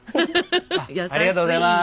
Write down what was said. ありがとうございます。